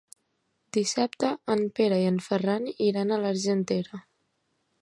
Dissabte en Pere i en Ferran iran a l'Argentera.